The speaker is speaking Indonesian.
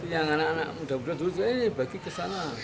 yang anak anak muda muda dulu saya bagi ke sana